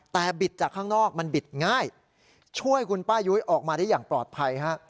แต่บิดจากข้างนอกมันบิดง่ายช่วยคุณป้ายุ้ยออกมาได้อย่างปลอดภัยฮะ